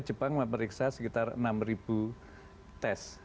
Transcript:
jepang memeriksa sekitar enam tes